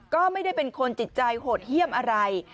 ก็ไม่ได้เป็นคนจิตใจโหดเยี่ยมอะไร